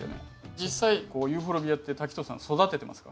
実際ユーフォルビアって滝藤さん育ててますか？